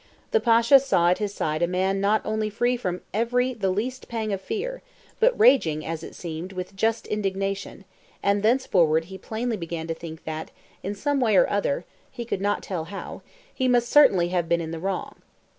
The Pasha saw at his side a man not only free from every the least pang of fear, but raging, as it seemed, with just indignation, and thenceforward he plainly began to think that, in some way or other (he could not tell how) he must certainly have been in the wrong.